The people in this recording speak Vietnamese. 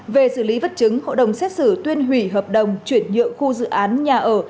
về xử lý vật chứng hội đồng xét xử tuyên hủy hợp đồng chuyển nhượng khu dự án nhà ở